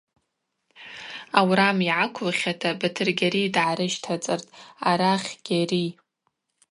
Аурам йгӏаквылхьата Батыргьари дгӏарыщтацӏыртӏ: – Арахь, Гьари.